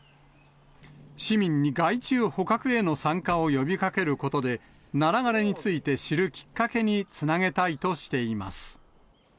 市民に害虫捕獲への参加を呼びかけることで、ナラ枯れについて知るきっかけにつなげたいとしています。